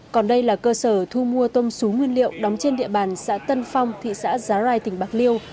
còn đây là cơ sở thu mua tôm sú nguyên liệu đóng trên địa bàn xã tân phong thị xã giá rai tỉnh bạc liêu